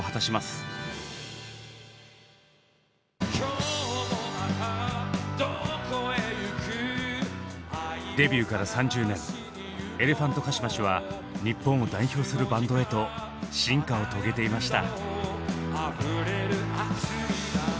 「今日もまたどこへ行く」デビューから３０年エレファントカシマシは日本を代表するバンドへと「進化」を遂げていました。